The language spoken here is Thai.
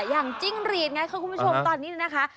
อย่างจิ้งหลีดไงครับคุณผู้ชมตอนนี้นะคะ